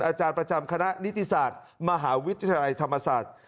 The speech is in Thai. อาจารย์ประจำคณะนิติศาสตร์มหาวิทยาลัยธรรมศาสตร์